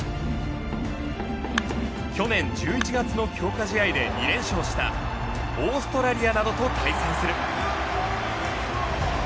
去年１１月の強化試合で２連勝したオーストラリアなどと対戦する。